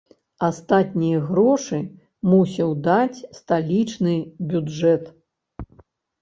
Астатнія грошы мусіў даць сталічны бюджэт.